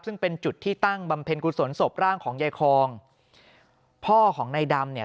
ซึ่งเป็นจุดที่ตั้งบำเพ็ญกุศลศพร่างของยายคองพ่อของนายดำเนี่ย